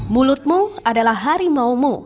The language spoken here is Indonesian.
mulutmu adalah harimau mu